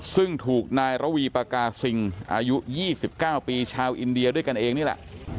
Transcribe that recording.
ซึ่งถูกนายระวีปากาซิงอายุ๒๙ปีชาวอินเดียด้วยกันเองนี่แหละ